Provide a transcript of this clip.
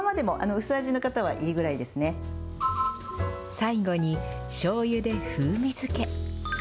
最後に、しょうゆで風味付け。